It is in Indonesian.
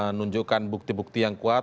menunjukkan bukti bukti yang kuat